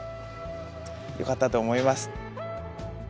よかったと思います。